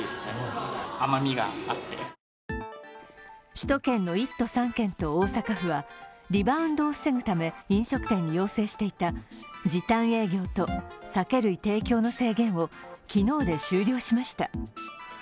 首都圏の１都３県と大阪府はリバウンドを防ぐため飲食店に要請していた時短営業と酒類提供の制限を昨日で終了しました。